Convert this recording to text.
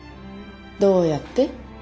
どうやって？